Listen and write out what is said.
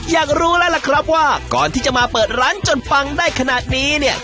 อยากรู้แล้วล่ะครับว่าก่อนที่จะมาเปิดร้านจนปังได้ขนาดนี้เนี่ย